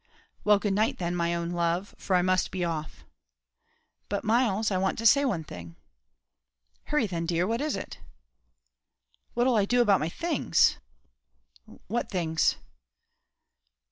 "Well, good night then, my own love, for I must be off." "But, Myles, I want to say one thing." "Hurry then, dear, what is it?" "What 'll I do about my things?" "What things?"